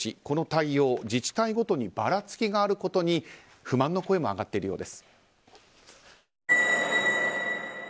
この対応自治体ごとにばらつきがあることに不満の声も上がっているようです。